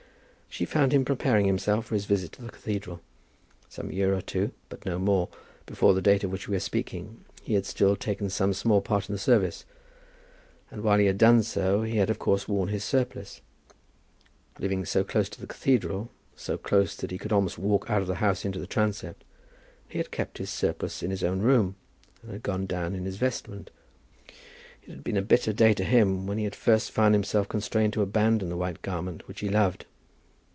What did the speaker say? She found him preparing himself for his visit to the cathedral. Some year or two, but no more, before the date of which we are speaking, he had still taken some small part in the service; and while he had done so he had of course worn his surplice. Living so close to the cathedral, so close that he could almost walk out of the house into the transept, he had kept his surplice in his own room, and had gone down in his vestment. It had been a bitter day to him when he had first found himself constrained to abandon the white garment which he loved.